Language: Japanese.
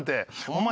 お前